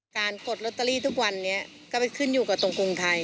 กดลอตเตอรี่ทุกวันนี้ก็ไปขึ้นอยู่กับตรงกรุงไทย